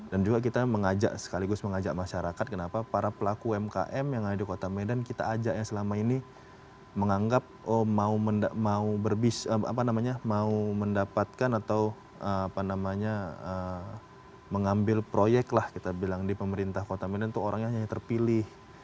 dan juga kita mengajak sekaligus mengajak masyarakat kenapa para pelaku mkm yang ada di kota medan kita ajak ya selama ini menganggap mau mendapatkan atau mengambil proyek lah kita bilang di pemerintah kota medan itu orangnya hanya terpilih